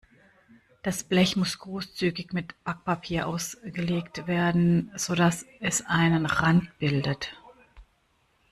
Das Blech muss großzügig mit Backpapier ausgelegt werden, sodass es einen Rand bildet.